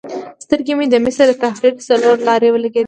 سترګې مې د مصر د تحریر څلور لارې ولګېدې.